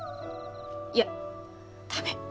いや駄目。